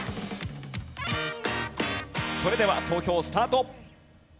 それでは投票スタート。